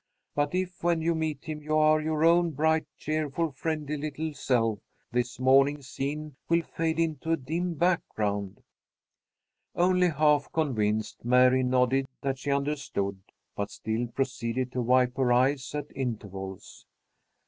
But if when you meet him you are your own bright, cheerful, friendly little self, this morning's scene will fade into a dim background." Only half convinced, Mary nodded that she understood, but still proceeded to wipe her eyes at intervals.